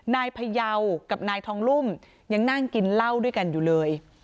นายพยาวกับนายทองลุ่มยังนั่งกินเหล้าด้วยกันอยู่เลย